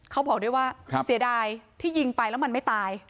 เขาบอกด้วยว่าเสียดายที่ยิงไปแล้วมันไม่ตาย